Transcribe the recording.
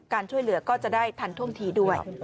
การช่วยเหลือก็จะได้ทันท่วงทีด้วย